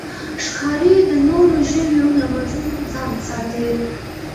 ښکاري د نورو ژویو له غږونو ځان ساتي.